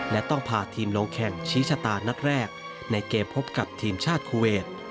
และต้องพาทีมลงแข่งชี้ชะตานัดแรกในเกมพบกับทีมชาติคูเวท